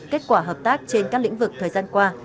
kết quả hợp tác trên các lĩnh vực thời gian qua